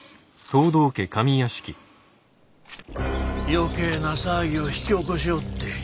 余計な騒ぎを引き起こしおって。